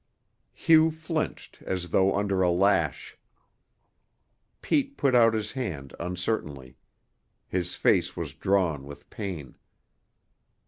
Hugh flinched as though under a lash. Pete put out his hand uncertainly; his face was drawn with pain.